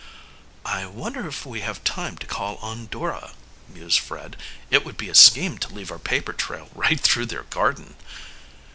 "I wonder if we have time to call on Dora?" mused Fred. "It would be a scheme to leave our paper trail right through their garden."